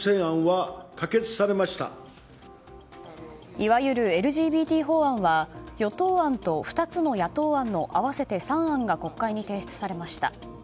いわゆるＬＧＢＴ法案は与党案と２つの野党案の合わせて３案が国会に提出されました。